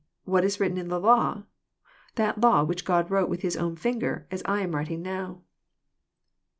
What is written in the law, that law which God wrote with His own finger as I am writing now?